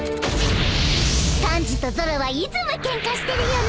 ［サンジとゾロはいつもケンカしてるよな］